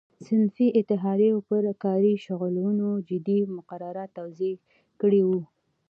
صنفي اتحادیو پر کاري شغلونو جدي مقررات وضع کړي وو.